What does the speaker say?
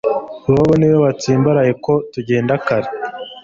Bobo niwe watsimbaraye ko tugenda kare